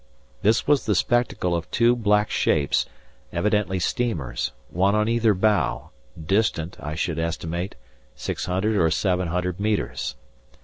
This was the spectacle of two black shapes, evidently steamers, one on either bow, distant, I should estimate, 600 or 700 metres.